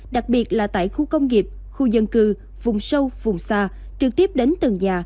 đặc biệt là tại khu công nghiệp khu dân cư vùng sâu vùng xa trực tiếp đến từng nhà